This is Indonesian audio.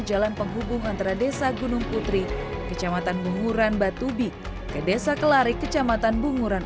jalan penghubung antara desa gunung putri kecamatan bunguran batubi ke desa kelarik kecamatan bunguran